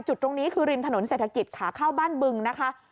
จุดตรงนี้คือริมถนนเศรษฐกิจขาเข้าบ้านบึงนะคะ